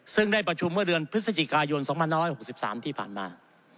ซึ่งได้ประชุมเมื่อเดือนพฤศจิกายนสองพันน้อยหกสิบสามที่ผ่านมา